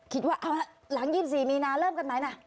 คิดว่าเอาหลัง๒๔มีนาเริ่มกันไหมนะ